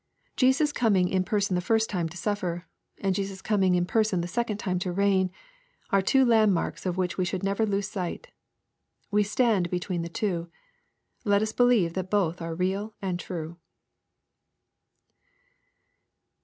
Jesiis coming in person the first time to suflFer, and Jesus coming in person the second time to reign, are two landmarks of which we should never lose sight. We stand between the two. Let us believe that both are real and true.